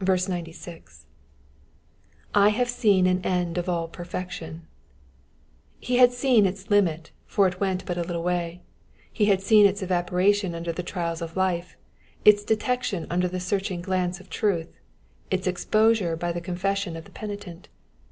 96. / haw seen an end of aU perfection,'*'' He had seen its limit, for it went but a little way ; he had seen its evaporation under the trials of life, its detection under the searching glance of truth, its exposure by the con* fession of the penitent.